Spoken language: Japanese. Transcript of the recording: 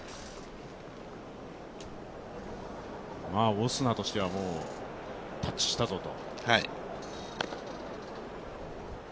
オスナとしてはタッチしたぞと。